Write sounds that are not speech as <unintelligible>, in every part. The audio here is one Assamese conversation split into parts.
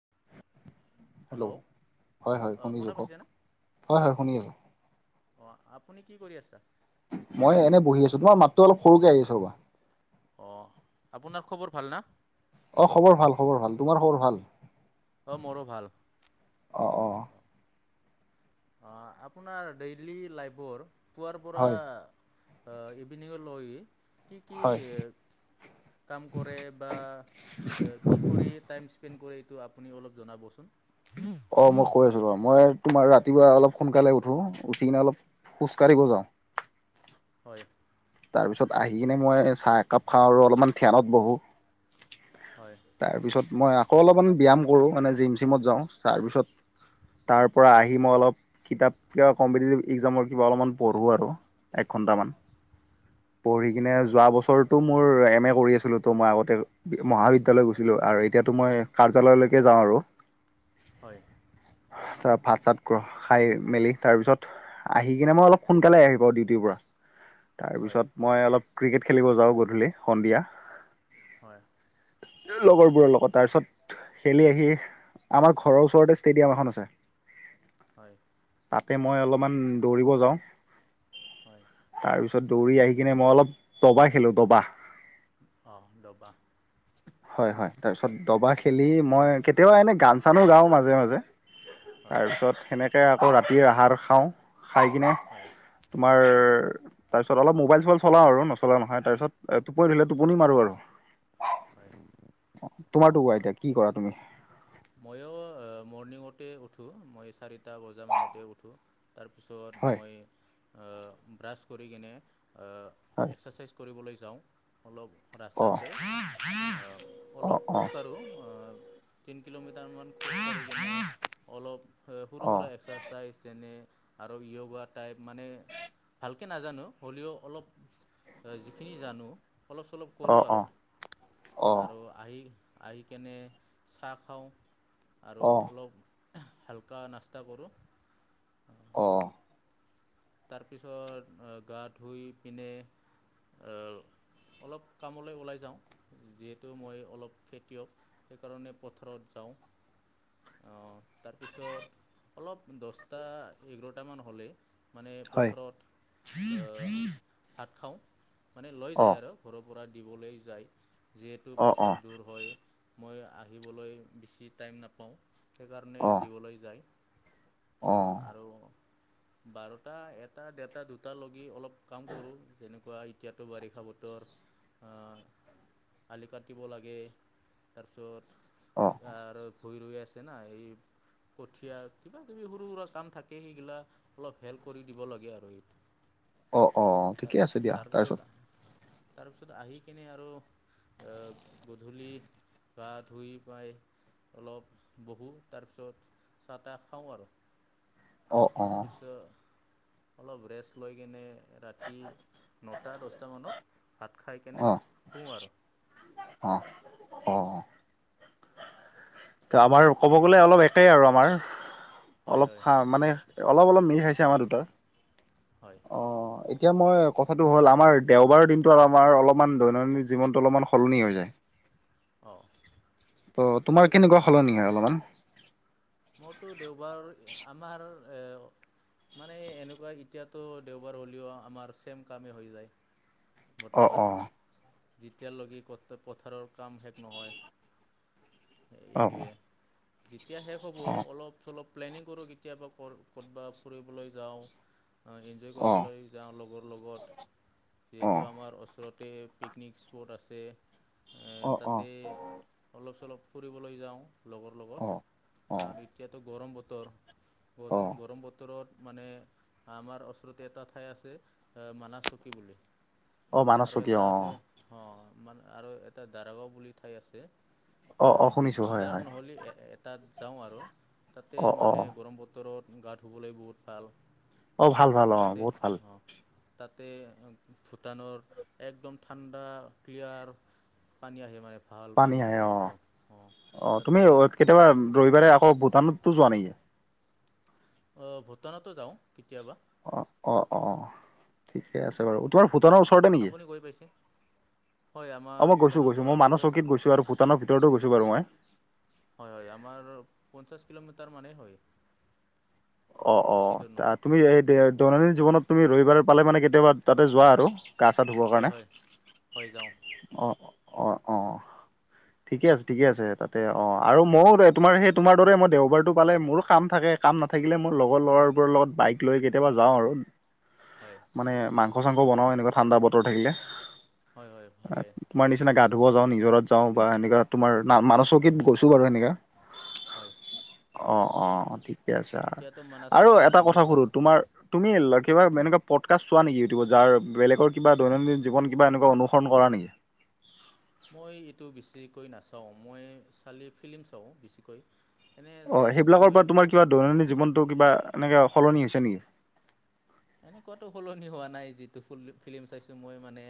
<inaudible> <unintelligible> হেল্ল' হয় হয় অঁ শুনা শুনিছোঁ কওক পাইছেনে হয় হয় শুনি আছোঁ। অ আপুনি কি কৰি কৰি আছা? মই এনে বহি আছো তোমাৰ মাতটো অলপ সৰুকে আহি আছে ৰ'বা। অ আপোনাৰ খবৰ ভাল ন? অ খবৰ ভাল খবৰ ভাল তোমাৰ খবৰ ভাল? অ মোৰো ভাল অঁ অঁ আহ। অ, আপোনাৰ ডেইলি লাইফৰ পুৱাৰ পৰা হয় অহ, ইভিনিঙ লৈ কি-কি হয় এ কাম কৰে বা অ, কি কৰি টাইম স্পেণ্ড কৰে টো আপুনি অলপ জনাবচোন? অ, মই কৈ আছো ৰবা মই তোমাৰ ৰাতিপুৱা অলপ সোনকালে উঠো উঠি কিনে অলপ খোজ কাঢ়িব যাওঁ। হয়। তাৰপিছত আহি কিনে মই চাহ একাপ খাওঁ আৰু অলপমান ধ্যানত বহো। হয় তাৰপিছত মই আকৌ অলপমান ব্যায়াম কৰোঁ মানে জিম চিমত যাওঁ তাৰপিছত তাৰপৰা আহি মই অলপ কিতাপ কিবা কম্পিটিটিভ ইকজামৰ কিবা অলপমান পঢ়োঁ আৰু এক ঘণ্টামান। পঢ়ি কিনে হয় যোৱা হয় বছৰতো মোৰ এম এ কৰি আছিলো ত' মই আগতে মহাবিদ্যালয় গৈছিলো আৰু এতিয়াতো মই কাৰ্যালয়লৈকে যাওঁ আৰু। হয়। ধৰা ভাত চাত কোৱা খাই মেলি তাৰ পিছত আহি কিনে মই অলপ সোনকালে আহি পাও ডিউটিৰ পৰা। <inaudible> তাৰপিছত মই অলপ ক্ৰিকেট খেলিব যাওঁ গধূলি সন্ধিয়া হয় লগৰবোৰৰ লগত তাৰপিছত খেলি আহি আমাৰ ঘৰৰ ওচৰতে ষ্টেডিয়াম এখন আছে হয়। তাতে মই অলপমান দৌৰিব যাওঁ হয় তাৰপিছত দৌৰি আহি কিনে মই অলপ তবা খেলোঁ দবা। অঁ দবা হয় হয় তাৰ পিছত দবা খেলিম মই কেতিয়াবা এনেই গান চানো গাও মাজে মাজে হয় তাৰপিছত সেনেক কে আকৌ ৰাতিৰ আহাৰ খাওঁ খাই কিনে হয় তোমাৰ তাৰ পিছত অলপ মোবাইল চোবাইল চলা আৰু নচলা নহয় তাৰ পিছত টোপনি ধৰিলে টোপনি মাৰো আৰু। হয় অ তোমাৰতো কোৱা অঁ এতিয়া কি কৰা তুমি? ময়ো মৰ্ণিঙতে উঠো মই চাৰিটা বজা মানতে উঠো তাৰপিছত হয় মই আহ ব্ৰাছ কৰি কিনে অ হয় এক্সাৰচাইজ কৰিবলৈ যাওঁ অলপ অ ৰাস্তাতে অ অলপ খোজকাঢ়ো তিনি কিলোমিট টাৰ মান খোজ কাঢ়ি কিনে অলপ সৰু অ অ অ সুৰা এক্সাৰচাইজ যেনে আৰু য়োগা টাইপ মানে ভালকে নাজানো হ'লেও অলপ যিখিনি জানো অলপ- চলপ কৰোঁ আৰু অ আৰু আহি আহি কিনে চাহ খাওঁ আৰু অ অলপ হালকা নাস্তা কৰোঁ। অ'। তাৰপিছত গা ধুই পিনে অলপ কামলৈ ওলাই যাওঁ, যিহেতু মই অলপ খেতিয়ক। সেইকাৰণে পথাৰত যাওঁ। অ', তাৰপিছত অলপ দশটা, এঘৰটামান হ'লে মানে হয় পথাৰত অ', ভাত খাওঁ। মানে লৈ অ যায় আৰু ঘৰৰ পৰা দিবলৈ যায় যিহেতু অ অ পথাৰ দূৰ হয়। মই আহিবলৈ বেছি টাইম নাপাওঁ সেইকাৰণে অ দিবলৈ যায়। অ', অ আৰু বাৰটা, এটা, দেৰটা, দুটা লগি অলপ কাম কৰোঁ যেনেকুৱা এতিয়াতো বাৰিষা বতৰ, আ'। আলি কাটিব লাগে অ তাৰপিছত আৰু ভুই ৰৈ আছে না, এই কঠীয়া কিবা- কিবি সৰু- সুৰা কাম থাকে সেইগিলা অলপ হেল্প কৰি দিব লাগে আৰু এইটো অ', অ' ঠিকে আছে দিয়া তাৰপিছত তাৰপিছত আহি কিনে আৰু আ'হ গধূলি বা ধুই পাই অলপ বহোঁ তাৰপিছত চাহ -তাহ খাওঁ আৰু অ অ তাৰপিছত অলপ ৰেষ্ট লৈ কিনে ৰাতি নটা, দচটামানত ভাত খাই কেনে অ শুওঁ আৰু অ', অ'। আমাৰ ক'ব গ'লে অলপ একেই আৰু আমাৰ হয় অলপ হয় খা মানে অলপ অলপ মিল খাইছে আমাৰ দুটাৰ হয়। অ এতিয়া মই কথাটো হ'ল আমাৰ দেওবাৰৰ দিনটো আমাৰ অলপমান দৈনন্দিন জীৱনটো অলপমান সলনি হৈ যায়। অঁ ত তোমাৰ কেনেকুৱা সলনি হয় অলপমান? মোৰতো দেওবাৰ আমাৰ এ মানে এনেকুৱা এতিয়াতো দেওবাৰ হ'লেও আমাৰ ছেম কামেই হৈ যায়। অ বৰ্তমান অ যেতিয়ালৈকে পথাৰৰ কাম শেষ নহয়। অ এইটোৱে অ যেতিয়া শেষ হ'ব অলপ- চলপ প্লেনিং কৰোঁ। কেতিয়াবা কত ক'তবা ফুৰিবলৈ যাওঁ। এনজয় অ কৰিবলৈ যাওঁ, লগৰ লগত অ অ যিহেতু আমাৰ ওচৰত তাতে পিকনিক স্পট আছে অ তাতে অলপ- চলপ ফুৰিবলৈ যাওঁ, লগৰ অ লগত আৰু এতিয়াতো গৰম বতৰ অ অ গৰম বতৰত মানে আমাৰ ওচৰতে এটা ঠাই আছে এ মানা চকী বুলি। অ মানস আৰু চকীয়া এটা অ আছে অ মানে আৰু এটা দাৰাগাঁও বুলি ঠাই আছে। অ অ শুনিছোঁ হয় দুটাৰ হয় নহ'লে এটাত যাওঁ আৰু তাতে অ অ মানে গৰম বতৰত গা ধুবলৈ বহুত ভাল। অ', ভাল, ভাল অ তাতে বহুত ভাল। অ তাতে ভূটানৰ একদম ঠাণ্ডা ক্লিয়াৰ পানী আহে মানে। ভাল পানী আহে অ', একদম অঁ অ', তুমি তাতে কেতিয়াবা ৰবিবাৰে অ', ভূটানততো যোৱা নেকি? অ', ভূটানতো যাওঁ কেতিয়াবা। অ', অ', অ' ঠিকে আছে বাৰু তোমাৰ ভূটানৰ ওচৰতে নেকি? আপুনি গৈ পাইছে হয় আমাৰ অ', মই গৈছো ভূটানৰ গৈছো পৰা মই মানুহ পঞ্চাছ চকীত গৈছো আৰু ভূটানৰ ভিতৰত গৈছো বাৰু মই। হয়, হয় আমাৰ পঞ্চাশ কিলোমিটাৰ মানে হয়। অ', অ' বেছি দূৰ নহয় তুমি এই দৈনন্দিন জীৱনত তুমি ৰবিবাৰ পালে মানে কেতিয়াবা তাতে যোৱা আৰু গা চা ধুবৰ হয় কাৰণে হয় হয় যাওঁ অ', অ'। অ <unintelligible> ঠিকে আছে ঠিকে আছে তাতে অ', আৰু ময়ো তোমাৰ সেই তোমাৰ দৰে মই দেওবাৰটো পালে মোৰো কাম থাকে কাম নাথাকে থাকিলে মোৰ লগৰ ল'ৰাবোৰৰ লগত বাইক লৈ কেতিয়াবা যাওঁ আৰু হয় মানে মাংস চাংস বনাও এনেকুৱা ঠাণ্ডা বতৰ থাকিলে হয় হয় ভালে তোমাৰ নিচিনা গা ধুব যাওঁ নিজৰাত যাওঁ বা এনেকুৱা তোমাৰ না মান চকীত গৈছোঁ বাৰু সেনেকা‌ হয় অ', - অ', এত -অ', ঠিক এতিয়াতো আৰু মানাচকীত এটা বহুত কথা সুধো ভাল তোমাৰ তুমি <unintelligible> এনেকুৱা পটকাস্ত চোৱা নেকি ইউটিউবত যাৰ বেলেগৰ কিবা দৈনন্দিন জীৱন কিবা এনেকুৱা অনুসৰণ কৰা নেকি? মই এইটো বেছিকৈ নাচাওঁ মই চালে ফিল্ম চাওঁ বেছিকৈ এনে অ', জাষ্ট সেইবিলাকৰ মই পৰা তোমাৰ কিবা দৈনন্দিন জীৱনতটো কিবা এনেকে সলনি হৈছে নেকি? এনেকুৱাতো সলনি হোৱা নাই যিটো ফ ফিল্ম চাইছো মই মানে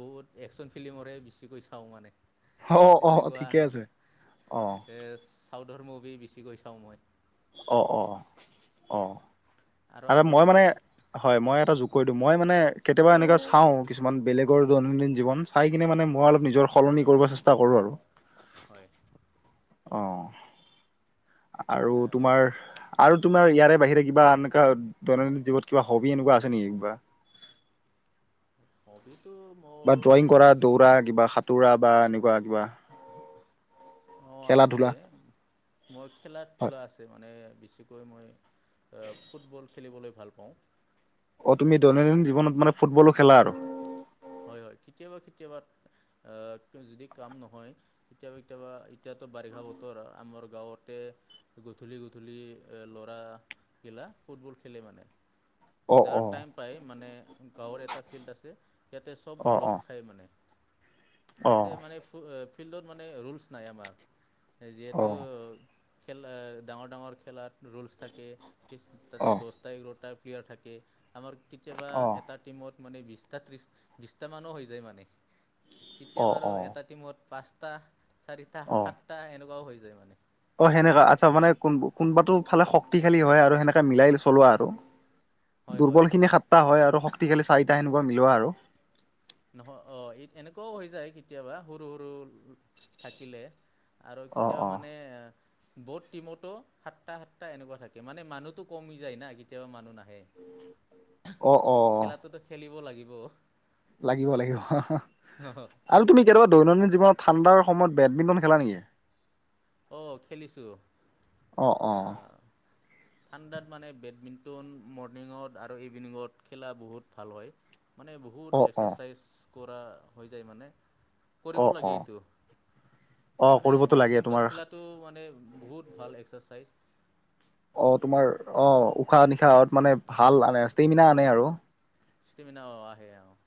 বহুত একচন ফিলিম বেছিকৈ চাওঁ মানে অ', -অ', এনেকুৱা ঠিকে আছে অ', চাউথৰ মুভি বেছিকৈ চাওঁ মই অ', -অ', - অ', আৰু মই মানে হয় মই এটা যোগ অঁ কৰি দিওঁ মই মানে কেতিয়াবা এনেকুৱা চাওঁ কিছুমান বেলেগৰ দৈনন্দিন জীৱন চাই কিনে মানে মই অলপ নিজৰ সলনি কৰিব চেষ্টা কৰোঁ আৰু হয়। অ', আৰু তোমাৰ আৰু তোমাৰ ইয়াৰে বাহিৰে কিবা এনেকুৱা দৈনন্দিন জীৱনত কিবা হবি এনেকুৱা আছে নেকি কিবা? হবি বা ড্ৰয়িং কৰা দৌৰা কিবা সাঁতোৰা বা এনেকুৱা কিবা অ', খেলা আছে ধূলা মোৰ হয়। খেলা-ধূলা আছে মানে বেছিকৈ মই ফুটবল খেলিবলৈ ভাল পাওঁ। অ', তুমি দৈনন্দিন জীৱনত মানে ফুটবলো খেলা আৰু হয়-হয় কেতিয়াবা-কেতিয়াবা অ', যদি কাম নহয় কেতিয়াবা-কেতিয়াবা এতিয়াতো বাৰিষা বতৰ আমাৰ গাঁৱতে গধূলি-গধূলি এ ল'ৰা গিলা ফুটবল খেলে মানে অ যাৰ অ টাইম পাই মানে গাঁৱৰ এটা ফিল্ড আছে ইয়াতে চব অ লগ অ খাই মানে অ তাতে মানে ফ ফিল্ডত মানে ৰুলচ নাই আমাৰ অ যিহেতু খেল ডাঙৰ ডাঙৰ খেলাত ৰোলচ থাকে কি অ অ তাতে দহটা এঘাৰটা প্লেয়াৰ থাকে আমাৰ কেতিয়াবা এটা টিমত মানে বিছটা ত্ৰিছ বিশটা মানো হৈ যায় মানে কেতিয়া অ অ বাৰু এটা অ টিমত পাঁচটা চাৰিটা সাতটা এনেকুৱাও হৈ যায় মানে অ', সেনেকা আচ্ছা মানে কোন কোনোবাটো ফালে শক্তিশালী হয় আৰু সেনেকা মিলাই চলোৱা আৰু হয় হয় দুৰ্বল হয় খিনি সাতটা হয় আৰু শক্তিশালী চাৰিটা সেনেকুৱা মিলোৱা আৰু নহয় অ', এনেকুৱাও হৈ যায় কেতিয়াবা সৰু-সৰু থাকিলে আৰু অ কেতিয়াও অ মানে বহুত টিমতো সাতটা-সাতটা এনেকুৱা থাকে মানে মানুহতো কমি যায় না কেতিয়াবা মানুহ নাহে অ অ খেলাটোতো খেলিব লাগিব। লাগিব লাগিব, আৰু তুমি কেতিয়াবা দৈনন্দিন জীৱনত ঠাণ্ডাৰ সময়ত বেডমিণ্টন খেলা নেকি? অ', খেলিছোঁ অ', ঠাণ্ডাত মানে বেডমিণ্টন, মৰ্ণিঙত আৰু ইভিনিঙত খেলা বহুত ভাল হয়। মানে বহুত অ অ এক্সেৰচাইজ কৰা হৈ যায় মানে কৰিব অ লাগে অ এইটো অ মানে কৰিবতো লাগে বেডমিণ বেডমিণ্টন তোমাৰ খেলাটো মানে বহুত ভাল এক্সেৰচাইজ অ', তোমাৰ অ', উশাহ-নিশাহত মানে ভাল আনে, ষ্টেমিনা আনে আৰু ষ্টেমিনা অ', আহে অ'।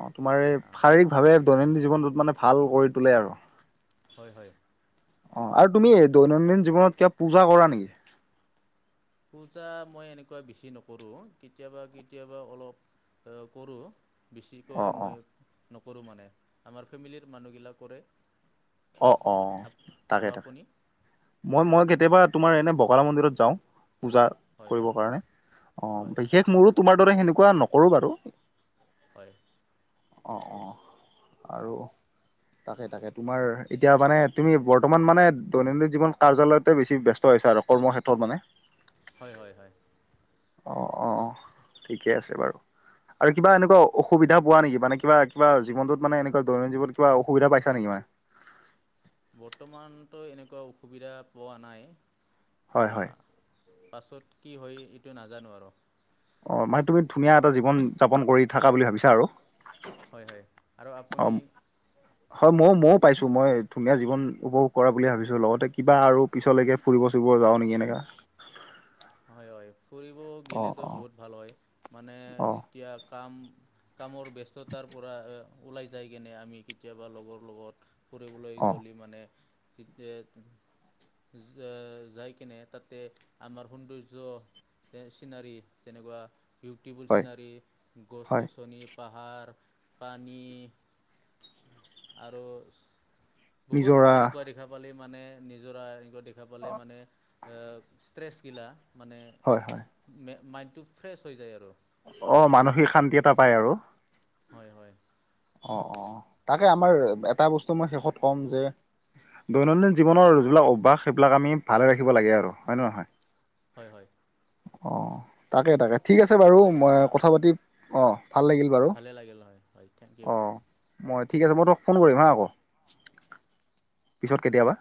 অ', তোমাৰ অ শাৰীৰিক ভাৱে দৈনন্দিন জীৱনটোত মানে ভাল কৰি তোলে আৰু। হয় হয় অ', আৰু তুমি অ। দৈনন্দিন জীৱনত কিবা পূজা কৰা নিকি? পূজা মই এনেকুৱা বেছি নকৰো, কেতিয়াবা কেতিয়াবা অলপ অ', কৰো। অ বেছিকৈ অ মই নকৰোঁ মানে, আমাৰ ফেমিলিৰ মানুহবিলা কৰে অ', অ', তাকে আৰু তাকে, আপুনি মই-মই কেতিয়াবা তোমাৰ এনে বগলা মন্দিৰত যাওঁ, পূজা হয় হয় কৰিবৰ কাৰণে, অ' হয় বিশেষ মোৰো তোমাৰ দৰে সেনেকুৱা নকৰোঁ বাৰু। হয়। অ' অ', আৰু তাকে তাকে, তোমাৰ এতিয়া মানে তুমি বৰ্তমান মানে দৈনন্দিন জীৱন কাৰ্যালয়তে বেছি ব্যস্ত হৈছা আৰু কৰ্মক্ষেত্ৰত মানে। হয় হয় হয়। অ অ ঠিকেই আছে বাৰু। আৰু কিবা এনেকুৱা অসুবিধা পোৱা নেকি, মানে কিবা কিবা জীৱনটোত মানে এনেকুৱা দৈনন্দিন জীৱনত কিবা অসুবিধা পাইছা নেকি মানে? বৰ্তমানতো এনেকুৱা অসুবিধা পোৱা নাই। হয় হয়। পাছত কি হয় এইটো নাজানো আৰু। অ মানে তুমি ধুনীয়া এটা জীৱন যাপন কৰি থাকা বুলি ভাবিছা আৰু। হয় হয় আৰু অ আপুনি? হয় ময়ো ময়ো পাইছোঁ, মই ধুনীয়া জীৱন উপভোগ কৰা বুলি ভাবিছো লগতে কিবা আৰু পিছলৈকে ফুৰিব চুৰিব যাওঁ নেকি এনেকা। হয় হয়, ফুৰিব অ গেলেতো অ বহুত ভাল হয়, মানে অ যেতিয়া কাম কামৰ ব্যস্ততাৰ পৰা ওলাই যায় কেনে আমি কেতিয়াবা লগৰ লগত ফুৰিবলৈ অ গ'লি মানে যিতেত যা যাই কেনে, তাতে আমাৰ সৌন্দৰ্য যে চিনেৰি তেনেকুৱা বিউটিফুল হয় চিনেৰী, হয় গছ-গছনি, পাহাৰ, পানী আৰু নিজৰা বহুত এনেকুৱা দেখা পালে মানে, নিজৰা এংকত দেখা পালে মানে ষ্ট্ৰেছ গিলা মানে হয় হয় মে মাইণ্ড টো ৰিফ্ৰেছ হৈ যায় আৰু। অ মানসিক শান্তি এটা পায় আৰু। হয় হয়। অ অ তাকে আমাৰ এটা বস্তু মই শেষত কম যে দৈনন্দিন জীৱনৰ যিবিলাক অভ্যাস, সেইবিলাক আমি ভালে ৰাখ খিব লাগে আৰু, হয় নে নহয়, হয় হয় অ', তাকে তাকে। ঠিক আছে বাৰু, হয় মই আমাৰ কথা পাতি, অ' ভালে লাগিল হয়, হয়। থেংক ইউ অ', মই ঠিক আছে মই তোমাক ফোন কৰিম হা আকৌ, পিছত কেতিয়াবা।